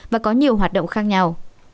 và có nhiều hoạt động khác nhau